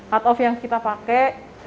cut off yang kita pakai